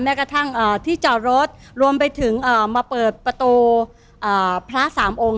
กระทั่งที่จอดรถรวมไปถึงมาเปิดประตูพระสามองค์